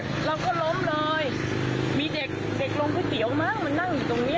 เราก็ล้มเลยมีเด็กเด็กลงไปเกี่ยวมากมันนั่งอยู่ตรงเนี้ย